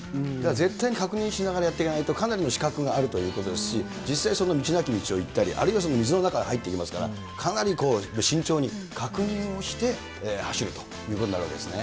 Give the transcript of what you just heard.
絶対に確認しながらやっていかないと、かなりの死角があるということですし、実際道なき道を行ったり、あるいは水の中に入っていきますから、かなり慎重に、確認をして走るというふうになるわけですね。